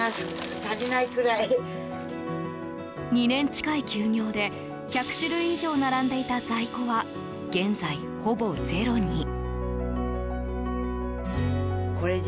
２年近い休業で１００種類以上並んでいた在庫は現在、ほぼゼロに。